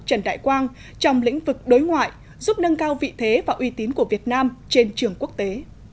trần đại quang trong lĩnh vực đối ngoại giúp nâng cao vị thế và uy tín của việt nam trên trường quốc tế